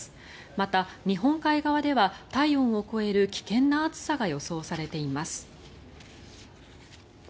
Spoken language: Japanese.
また、日本海側では体温を超える危険な暑さが予想されています。